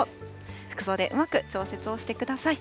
服装でうまく調節をしてください。